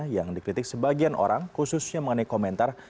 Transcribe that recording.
yang dikritik sebagian orang khususnya mengenai komentar